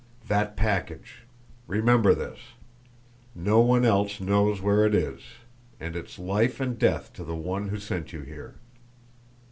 That package remember this! no one else knows where it is, and it's life and death to the one who sent you here.